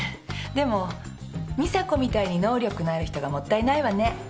でも美佐子みたいに能力のある人がもったいないわね。